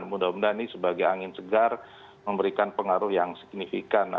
sebenarnya ini sebagai angin segar memberikan pengaruh yang signifikan